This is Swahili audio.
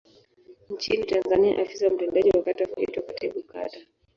Nchini Tanzania afisa mtendaji wa kata huitwa Katibu Kata.